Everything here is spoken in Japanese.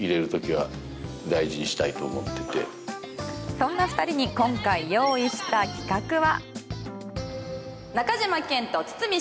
そんな２人に今回用意した企画は。